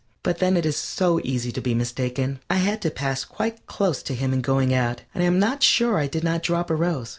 But then it is so easy to be mistaken. I had to pass quite close to him in going out, and I am not sure I did not drop a rose.